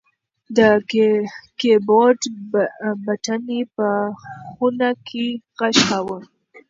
د کیبورډ بټنې په خونه کې غږ کاوه.